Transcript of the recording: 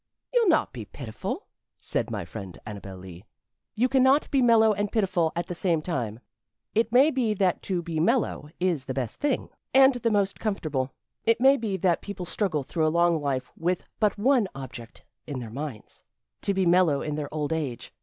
"You'll not be pitiful," said my friend Annabel Lee. "You can not be mellow and pitiful at the same time. It may be that to be mellow is the best thing, and the most comfortable. It maybe that people struggle through a long life with but one object in their minds to be mellow in their old age.